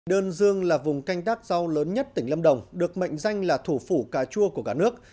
đơn dương là vùng canh tác rau lớn nhất tỉnh lâm đồng được mệnh danh là thủ phủ cà chua của cả nước